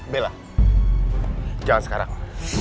bella jangan sekarang